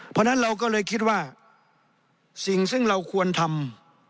เพราะฉะนั้นเราก็เลยคิดว่าสิ่งซึ่งเราควรทำ